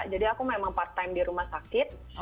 jadi aku memang part time di rumah sakit